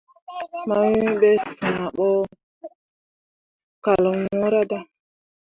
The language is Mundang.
Mawiŋ be, sããh bo kal wɲǝǝra dan.